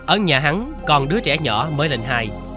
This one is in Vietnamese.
ở nhà hắn còn đứa trẻ nhỏ mới lệnh hài